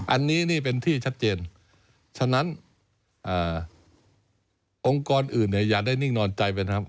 อันนี้นี่เป็นที่ชัดเจนฉะนั้นองค์กรอื่นเนี่ยอย่าได้นิ่งนอนใจไปนะครับ